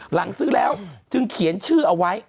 หลังซื้อแล้วจึงเขียนชื่อเอาไว้